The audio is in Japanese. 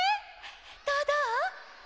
どうどう？